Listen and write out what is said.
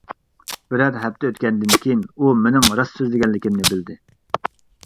بىرەر ھەپتە ئۆتكەندىن كېيىن ئۇ مىنىڭ راست سۆزلىگەنلىكىمنى بىلدى.